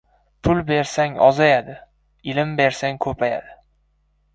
• Pul bersang — ozayadi, ilm bersang — ko‘payadi.